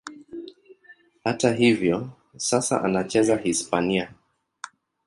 Hata hivyo, sasa anacheza Hispania.